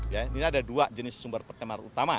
ini ada dua jenis sumber pencemaran utama